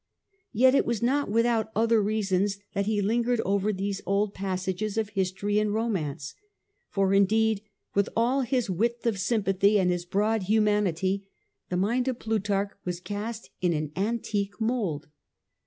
Yet it was not without other reasons that he lingered over these old passages of history and romance. For, in deed, with all his width of sympathy and his large human ity, the mind of Plutarch was cast in an antique mould.